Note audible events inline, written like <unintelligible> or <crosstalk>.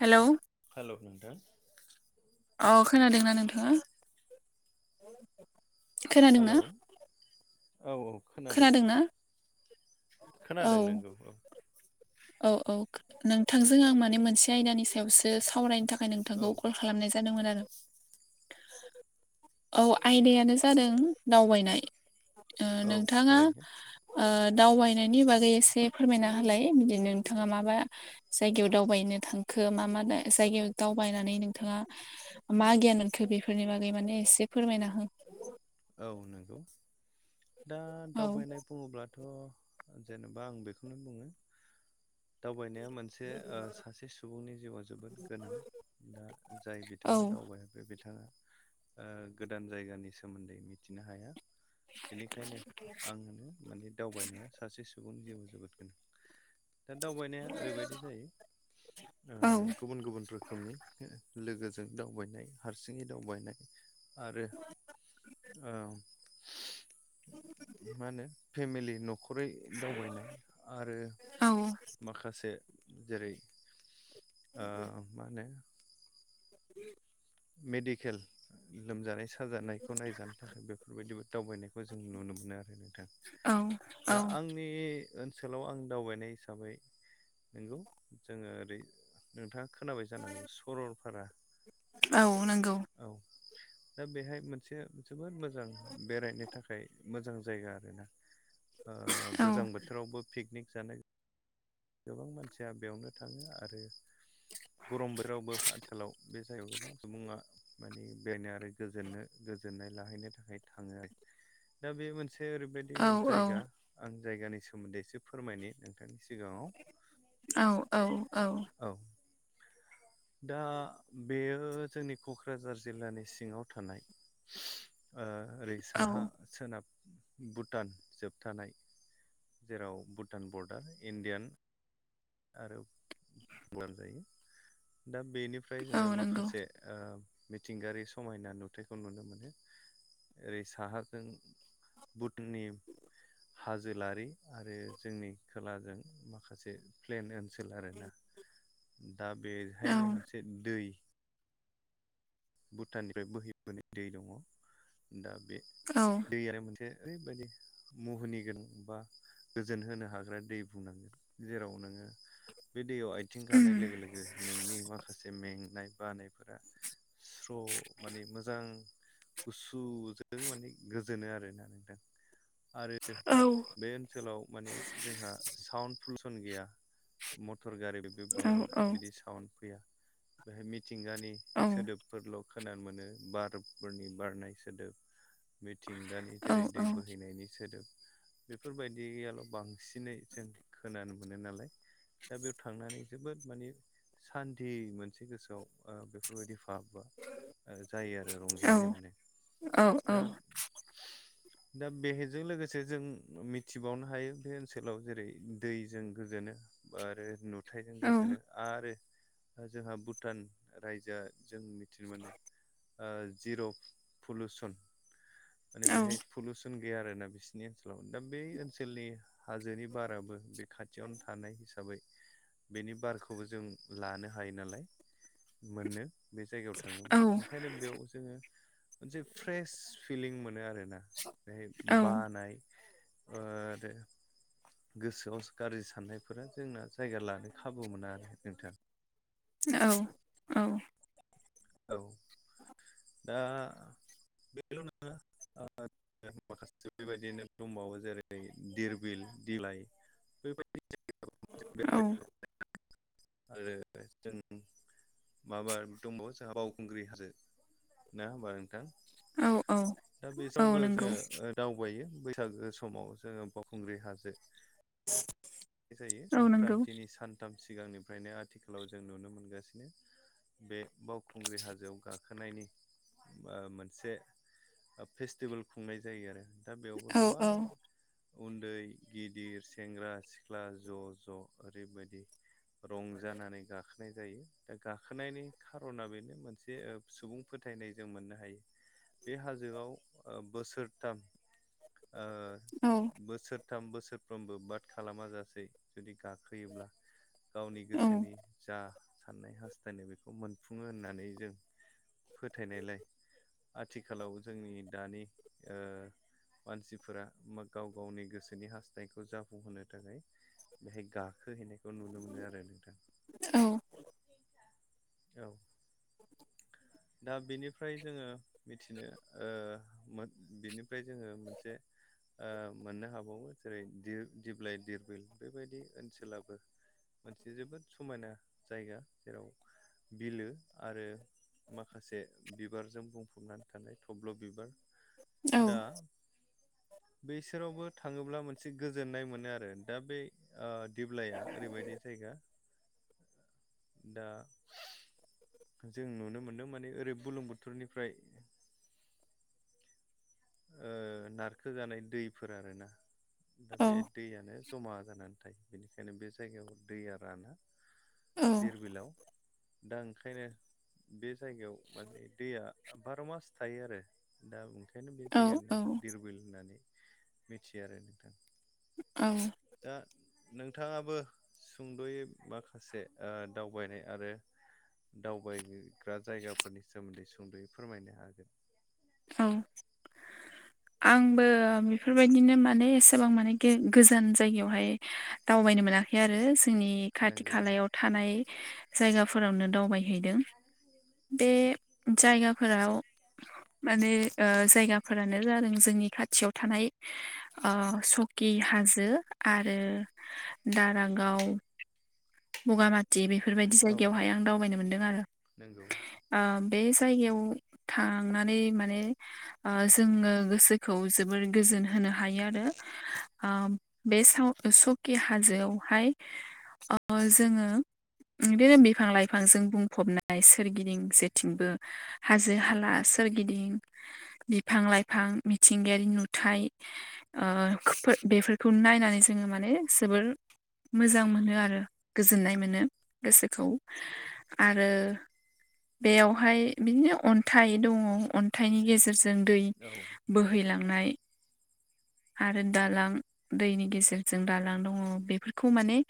Hello hello नोंथां औ खोनादोंना नोंथाङा खोनादोंना हेलौ औ औ खोनादों ना खोनादों नोंगौ औ औ औ नोंथांजों आं माने मोनसे आयदानि सायावसो सावरायनो थाखाय थाखाय औ नोंथांखौ कल खालामनाय जादोंमोन आरो औ आयदानो जादों दावबायनाय ओ औ नोंथाङा थारैनो दावबायनायनि बागै एसे फोरमायना होलाय बिदि नोंथाङा मााबा जायगायाव दावबायनो थांखो मा मा जायगायाव दावबायनानै नों नोंथाङा मा गियान मोनखो बेफोरनि बागै माने एसे फोरमायना हो औ नंगौ दा औ दावबायनाय बुङोब्ला थ जेनबा आं बेखौनो बुङो दावबायनाया मोन मोनसे ओ सासे सुबुंनि जिउआ जोबोद गोनां दा जाय औ बिथाङा दावबायाखै बे बिथाङा ओ गोदान जायगानि सोमोन्दै मिथिनो हाया बेनिखायनो आङो माने दावबायनाया सासे सुबुंनि जिउआव जोबोद गोनां दा दावबायनाया ओरैबायदि जायो औ गुबुन गुबुन रोखोम रोखोमनि लोगोजों दावबायनाय हारसिङै दावबायनाय आरो औ मा होनो फेमिलि न' खरै दावबायनाय आरो औ माखासे जेरै ओ मा होनो? <inaudible> मेडिकेल लोमजानाय सा जानायखौ नायजानो थाखाय बेफोरबायदिबो दावबायनायखौ जों नुनो मोनो आरो नोंथां। औ दा आंनि ओनसोलाव आं दावबायनाय हिसाबै नोंगौ जोङो ओरै नोंथाङा खोनाबाय जानांगौ सरलपारा औ नंगौ। औ दा बेहाय मोनसे जोबोद मोजां बेरायनो थाखाय मोजां जायगा आरोना। <inaudible> ओ औ गोजां बोथोरावबो पिकनिक जानाय। गोबां मानसिया बेयावनो थाङो आरो गरम बोरावबो आथिलाव बे जायगायाव गोबां सुबुङा माने बेरायनो आरो गोजोननो गोजोननाय लाहैनो थाखाय थाङो आरो। दा बे मोनसे ओरैबायदि औ जायगा आं जायगानि सोमोन्दै एसे फोरमायनि नोंथांनि सिगाङाव। औ औ औ औ दा बेयो जोंनि क'क्राझार जिल्लानि सिङाव थानाय ओ ओरै साहा औ सोनाब भुटान जोबथानाय जेराव भुटान बर्डार इण्डियान आरो <unintelligible> जायो दा बेनिफ्राय औ जोङो नंगौ माखासे ओ मिथिंगायारि समायना नुथायखौ नुनो मोनो। ओरै साहाजों भुटुनिम हाजोलारि आरो जोंनि खोलाजों माखासे प्लेन ओनसोल आरोना दा औ बेहायनो मोनसे दै भुटाननिफ्राय बोहैबोनाय दै दङ दा बे औ दैयानो मोनसे ओरैबायदि मुहुनि गोनां बा गोजोन होनो हाग्रा दै बुंनांगोन जेराव नोङो बे दैयाव आइथिं उम गानाय लोगो लोगो नोंनि माखासे मेंनाय बानायफोरा स्र' माने मोजां गुसुजों माने गोजोनो आरोना नोंथां। आरो औ बे ओनसोलाव माने जोंहा साउन्ड पलुसन गैया मटर गारिबो औ मा औ बिदि साउन्ड फैया। बेहाय मिथिंगानि औ सोदोबफोरल' खोनानो मोनो बारफोरनि बारनाय सोदोब मिथिंगानि औ जेरै दै बोहैनायनि सोदोब। बेफोरबायदियाल' बांसिनै जों खोनानो मोनो नालाय दा बेयाव थांनानै जोबोद माने सान्थि मोनसे गोसोआव बेफोरबायदि भाब बा जायो आरो औ रंजानाय मोनो औ दा <inaudible> दा बेहजों लोगोसे जों मिथिबावनो हायो बे ओनसोलाव जेरै दैजों गोजोनो आरो नु थायजों गोजोनो आरो जोंहा भुटान रायजोआ जोंनि मिथिनो मोनो ओ जिर' पलुसन माने बेहाय पलुउसन गैया आरोना बिसिनि ओनसोलाव दा बे ओनसोलनि हाजोनि बाराबो बे खाथियावनो थानाय हिसाबै बेनि बारखौबो जों लानो हायो नालाय मोनो बे जायगा थाङोब्ला ओंखायनो बेयाव जोङो मोनसे फ्रेस फिलिं मोनो आरोना बेहाय बानाय आरो <unintelligible> गोसोआव गाज्रि साननायफोरा जोंना जायगा लानो खाबु मोना आरो नोंथां औ औ औ दा बेल नङा माखासे बेबायदिनो दंबावो जेरै धिरबिल दिलाइ बेबायदि <unintelligible> <unintelligible> <unintelligible> औ आरो जों माबा दंबावो <unintelligible> बावखुंग्रि हाजो ना होमबा नोंथां औ औ दा बे औ समावबो नंगौ जोङो दावबायो बैसागो समाव जोङो बावखुंग्रि हाजो <inaudible> जायो औ नंगौ संक्रान्तिनि सानथाम सिगांनिफ्रायनो आथिखालाव जों नुनो मोनगासिनो बे बावखुंग्रि हाजोआव गाखोनायनि मोनसे फेस्टिभेल खुंनाय जायो आरो दा बेयावबो औ गोबां औ उन्दै गिदिर सेंग्रा सिख्ला सिख्ला ज ज ओरैबायदि रंजानानै गाखोनाय जायो दा गाखोनायनि खारना बेनो मोनसे सुबुं फोथायनाय जों मोननो हायो बे हाजोआव बोसोरथाम औ बोसोरथाम बोसोरफ्रोमबो बाद खालामा जासे जुदि गाखो गाखोयोब्ला गावनि औ गोसोनि जा साननाय हास्थायनाय बेखौ मोनफुङो होननानै जों फोथायनायलाय आथिखालाव जोंनि दानि मानसिफोरा बा गाव गावनि गोसोनि हास्थायखौ जाफुंहोनो थाखाय बेहाय गाखोहैनायखौ नुनो मोनो आरो नोंथां औ औ <inaudible> दा बेनिफ्राय जोङो मिथिनो बिनिफ्राय जोङो मोनसे मोननो हाबावो जेरै दिप्लाय धिरबिल बेबायदि ओनसोलाबो मोनसे जोबोद समायना जायगा जेराव बिलो आरो माखासे बिबारजों बुंफबनानै थानाय थब्ल बिबार दा बेसोरावबो थाङोब्ला मोनसे गोजोननाय मोनो आरो दा बे दिपरबिला ओरैबायदि जायगा दा जों नुनो मोन्दों माने ओरै बुरलुंबुथुरनिफ्राय नारखो जानाय दैफोर आरोना दा बे दैयानो जमा जानानै थायो बेनिखायनो बे जायगायाव दैया राना दिपरबिलाव दा ओंखायनो बे जायगायाव माने दैया बार' मास थायो आरो दा ओंखायनो बे जायगानि औ नामखौ दिपरबिल होननानै मिथियो आरो नोंथां औ दा नोंथाङाबो सुंद'यै माखासे दावबायनाय आरो दावबायग्रा जायगाफोरनि सोमोन्दै सुंद'यै फोरमायनो हागोन औ आंबो बेफोरबायदिनो माने एसेबां माने गोजान जायगायावहाय दावबायनो मोनाखै आरो जोंनि खाथि नंगौ खालायाव थानाय जायगाफोरावनो दावबायहैदों बे जायगाफोराव माने जायगाफोरानो जादों जोंनि खाथियाव थानाय ओ सकि हाजो आरो दारागाव बगामाटि बेफोरबायदि औ जायगायावहाय आं दावबायनो मोनदों आरो नंगौ ओ बे जायगायाव थांनानै माने ओ जोङो गोसोखौ जोबोर गोजोन होनो हायो आरो ओ बे साव सकि हाजोआवहाय ओ जोङो बे दिनो बिफां लाइफांजों बुंफबनाय सोरगिदिं जेथिंबो हाजो हाला सोरगिदिं बिफां लाइफां मिथिंगायारि नुथाय ओ <unintelligible> बेफोरखौ नायनानै जोङो माने जोबोर मोजां मोनो आरो गोजोननाय मोनो गोसोखौ आरो बेयावहाय बिदिनो अन्थाइ दङ अन्थाइनि गेजेरजों दै बोह औ बोहैलांनाय आरो दालां दैनि गेजेरजों दालां दङ। बेफोरखौ माने